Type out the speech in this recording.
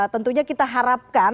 tentunya kita harapkan